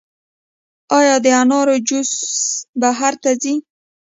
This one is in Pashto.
آیا د انارو جوس بهر ته ځي؟